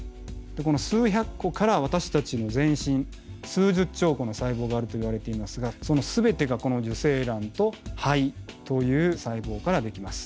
この数百個から私たちの全身数十兆個の細胞があるといわれていますがその全てがこの受精卵と胚という細胞からできます。